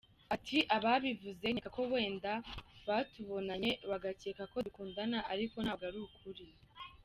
Ati “Ababivuze nkeka ko wenda batubonanye bagakeka ko dukundana ariko ntabwo ari ukuri.